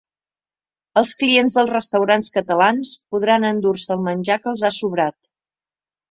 Els clients dels restaurants catalans podran endur-se el menjar que els ha sobrat